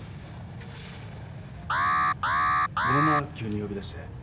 ごめんな急に呼び出して。